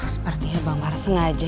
sepertinya bang mar sengaja